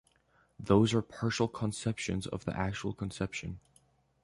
Those are partial conceptions of the actual conception.